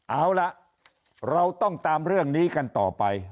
เอาล่ะเราต้องตามเรื่องนี้กันต่อไป